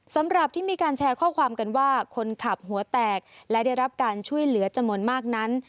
สำหรับที่มีการแชร์ข้อความกันว่าคนขับหัวแตกและได้รับการช่วยเหลือจำนวนมากนั้น